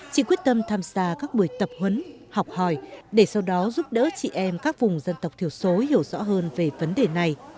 chị quyết tâm tham gia các buổi tập huấn học hỏi để sau đó giúp đỡ chị em các vùng dân tộc thiểu số hiểu rõ hơn về vấn đề này